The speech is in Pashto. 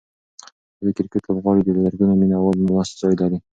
دا د کرکټ لوبغالی د زرګونو مینه والو د ناستې ځای لري.